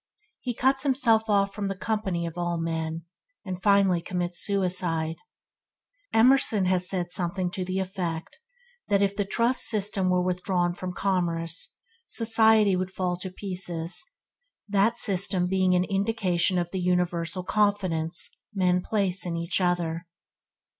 He cuts himself off from the company of all men, and finally commits suicide. Emerson has something to the effect that if the trust system were withdrawn from commerce, society would fall to pieces; that system being an indication of the universal confidence men place in each other.